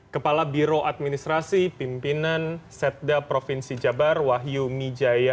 kepala biro administrasi pimpinan setda provinsi jabar wahyu mijaya